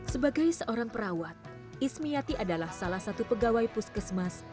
sebagai seorang perawat ismiati adalah salah satu pegawai puskesmas